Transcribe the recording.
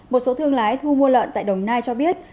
một số thương lái thu mua lợn tại đồng nai cho biết